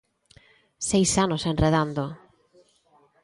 ¡Seis anos enredando!